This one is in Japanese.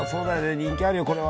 人気あるよこれは。